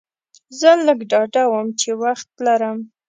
زه لږ ډاډه وم چې وخت لرم.